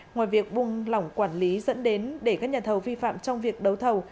ngoài việc buông lỏng quản lý dẫn đến để các nhà thầu vi phạm trong việc đấu thầu